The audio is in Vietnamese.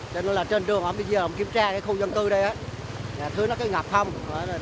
cho nên là trên đường ông bây giờ kiểm tra cái khu dân cư đây thứ nó cứ ngập không